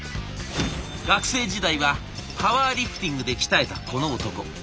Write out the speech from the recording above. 学生時代はパワーリフティングで鍛えたこの男。